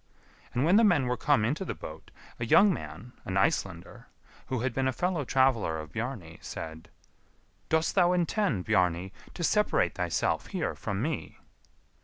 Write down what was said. And when the men were come into the boat, a young man, an Icelander, who had been a fellow traveller of Bjarni, said, "Dost thou intend, Bjarni, to separate thyself here from me."